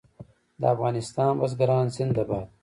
د افغانستان بزګران زنده باد.